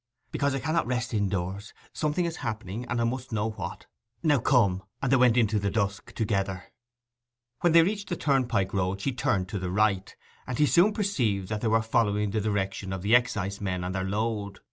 'Because I cannot rest indoors. Something is happening, and I must know what. Now, come!' And they went into the dusk together. When they reached the turnpike road she turned to the right, and he soon perceived that they were following the direction of the excisemen and their load.